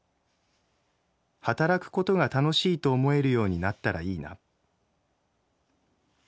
「働くことが楽しいと思えるようになったらいいな。